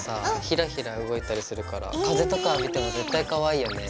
ひらひら動いたりするから風とか当てても絶対かわいいよね。